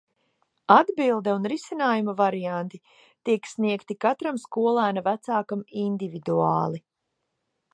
Atbilde un risinājuma varianti tiek sniegti katram skolēna vecākam individuāli.